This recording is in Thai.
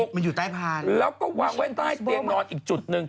มันอยู่ใต้พานแล้วก็วะแว่นใต้เตียงนอนอีกจุดหนึ่ง